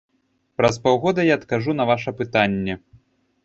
Праз паўгода я адкажу на ваша пытанне.